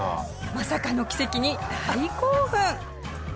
まさかの奇跡に大興奮。